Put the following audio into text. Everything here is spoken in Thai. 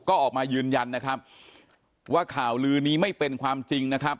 ก็ออกมายืนยันนะครับว่าข่าวลือนี้ไม่เป็นความจริงนะครับ